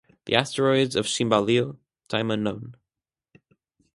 The Asteroids of Shimballil, time unknown.